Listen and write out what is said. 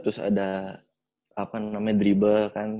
terus ada dribble kan